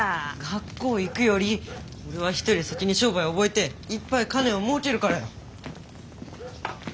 学校行くより俺は人より先に商売覚えていっぱい金をもうけるからよ。